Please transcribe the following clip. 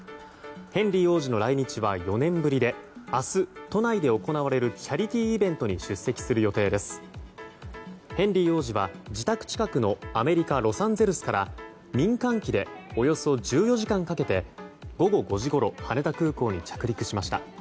ヘンリー王子の来日は４年ぶりで明日、都内で行われるチャリティーイベントに出席する予定ですヘンリー王子は自宅近くのアメリカ・ロサンゼルスから民間機でおよそ１４時間かけて午後５時ごろ羽田空港に着陸しました。